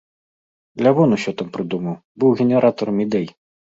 Лявон усё там прыдумаў, быў генератарам ідэй.